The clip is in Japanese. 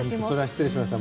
失礼しました。